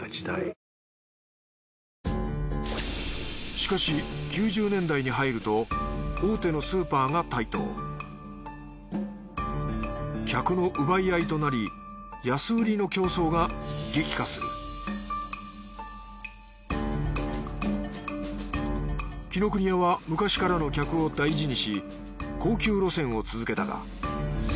しかし９０年代に入ると大手のスーパーが台頭客の奪い合いとなり安売りの競争が激化する紀ノ国屋は昔からの客を大事にし高級路線を続けたが。